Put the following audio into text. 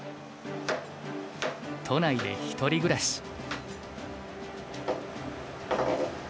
都内で一人暮らし。